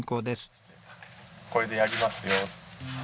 これでやりますよ。